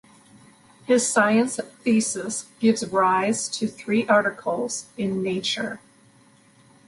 His science thesis gives rise to three articles in Nature.